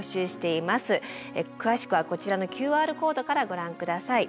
詳しくはこちらのＱＲコードからご覧下さい。